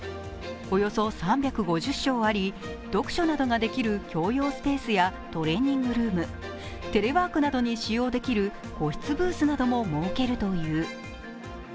およそ３５０床あり、読書などができる共用スペースやトレーニングルームテレワークなどに使用できる個室ブースなども設けるという。